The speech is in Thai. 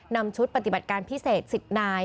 นำชุดปฏิบัติการพิเศษ๑๐นาย